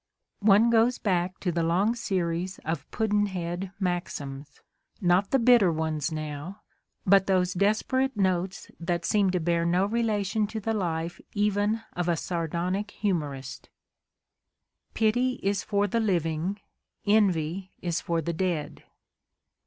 One goes back to the long series of "Pudd'nhead" maxims, not the bitter ones now, but those desperate, notes that seem to bear no relation to the life even of a sardonic humorist : Pity is for the living, envy is for the dead.